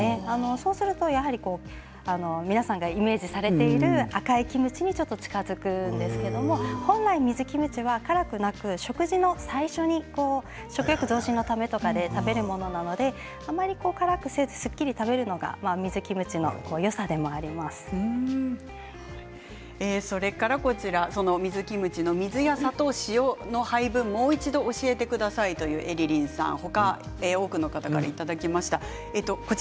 そうするとやはり皆さんがイメージされている赤いキムチに、ちょっと近づくんですけど、本来、水キムチが辛くなく食事の最初に食欲増進のためとかに食べるものなのであまり辛くせずすっきり食べるの水キムチの配分をもう一度教えてくださいときています。